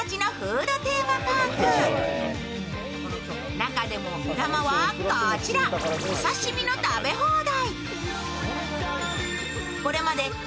中でも目玉はこちら、お刺身の食べ放題。